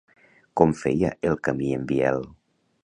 Com feia el camí en Biel?